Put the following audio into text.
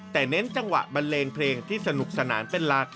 แต่เน้นจังหวะบันเลงเพลงที่สนุกสนานเป็นหลัก